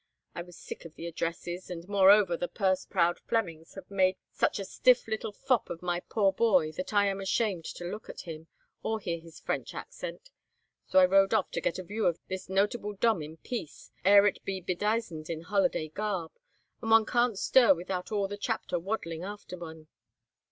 I was sick of the addresses, and, moreover, the purse proud Flemings have made such a stiff little fop of my poor boy that I am ashamed to look at him, or hear his French accent. So I rode off to get a view of this notable Dom in peace, ere it be bedizened in holiday garb; and one can't stir without all the Chapter waddling after one."